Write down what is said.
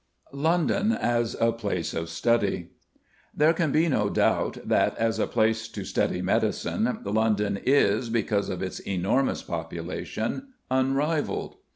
LONDON AS A PLACE OF STUDY. There can be no doubt that, as a place to study medicine, London is, because of its enormous population, unrivalled.